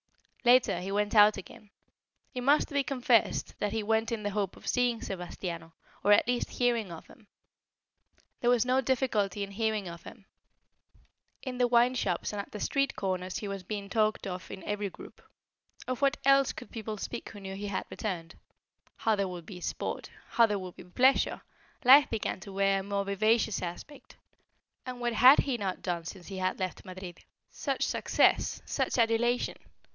Later he went out again. It must be confessed that he went in the hope of seeing Sebastiano, or at least hearing of him. There was no difficulty in hearing of him. In the wine shops and at the street corners he was being talked of in every group. Of what else could people speak who knew he had returned? How there would be sport how there would be pleasure! Life began to wear a more vivacious aspect. And what had he not done since he had left Madrid? Such success such adulation!